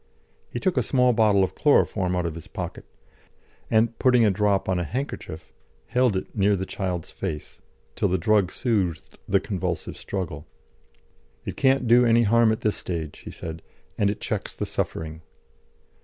He took a small bottle of chloroform out of his pocket, and putting a drop on a handkerchief held it near the child's face, till the drug soothed the convulsive struggle. "It can't do any harm at this stage," he said, "and it checks the suffering."